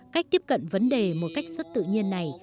cách tiếp cận vấn đề một cách rất tự nhiên này